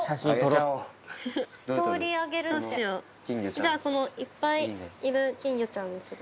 じゃあこのいっぱいいる金魚ちゃんにする？